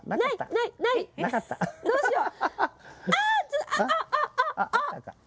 どうしよう？